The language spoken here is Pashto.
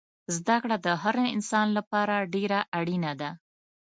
زده کړه دهر انسان لپاره دیره اړینه ده